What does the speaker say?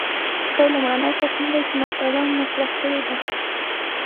خو دی لومړنی کس نه دی چې مسأله مطرح کړې ده.